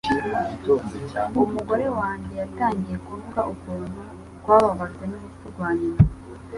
Umugore wanjye yatangiye kuvuga ukuntu twababajwe n'urupfu rwa nyina.